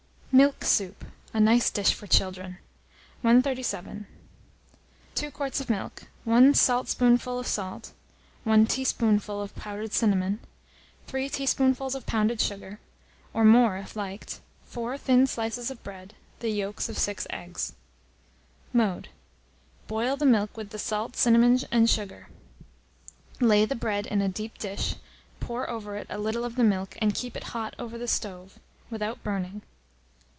MILK SOUP (a Nice Dish for Children). 137. INGREDIENTS. 2 quarts of milk, 1 saltspoonful of salt, 1 teaspoonful of powdered cinnamon, 3 teaspoonfuls of pounded sugar, or more if liked, 4 thin slices of bread, the yolks of 6 eggs. Mode. Boil the milk with the salt, cinnamon, and sugar; lay the bread in a deep dish, pour over it a little of the milk, and keep it hot over a stove, without burning.